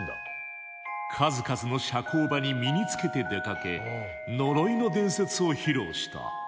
数々の社交場に身につけて出かけ呪いの伝説を披露した。